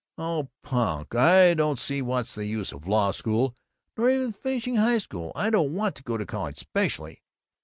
"Oh punk. I don't see what's the use of law school or even finishing high school. I don't want to go to college specially.